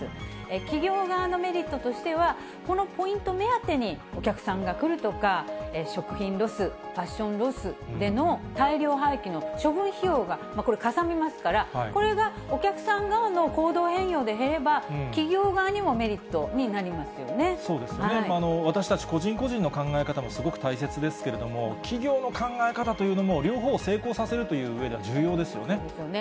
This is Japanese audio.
企業側のメリットとしては、このポイント目当てに、お客さんが来るとか、食品ロス、ファッションロスでの大量廃棄の処分費用がこれ、かさみますから、これがお客さん側の行動変容で減れば、企業側にもメリットになりそうですよね、私たち個人個人の考え方もすごく大切ですけれども、企業の考え方というのも、両方を成功させるといううえでは、重要ですよね。